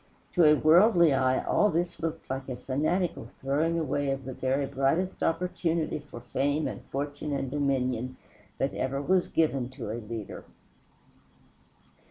To a worldly eye all this looked like a fanatical throwing away of the very brightest opportunity for fame and fortune and dominion that ever was given to a leader.